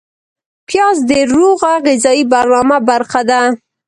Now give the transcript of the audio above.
پیاز د روغه غذایي برنامه برخه ده